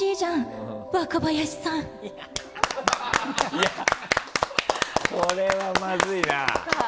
いやこれはまずいな。